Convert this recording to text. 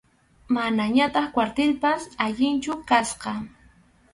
Manañataq kwartilpas alinchu kasqa.